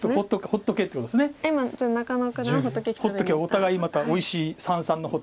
放っとけばお互いまたおいしい三々の。